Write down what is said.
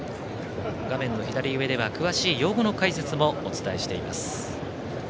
画面の左上では詳しい用語の解説もお伝えしています。